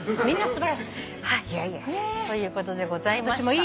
みんな素晴らしい。ということでございました。